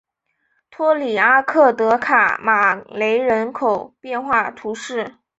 托里阿克德卡马雷人口变化图示